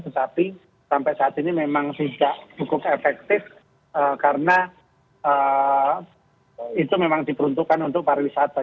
tetapi sampai saat ini memang tidak cukup efektif karena itu memang diperuntukkan untuk pariwisata